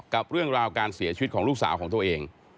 กับเรื่องราวการเสียชีวิตของลูกสาวของตัวเอง